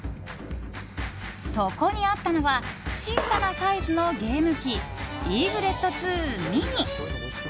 そこにあったのは小さなサイズのゲーム機イーグレットツーミニ。